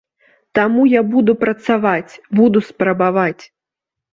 Таму я буду працаваць, буду спрабаваць.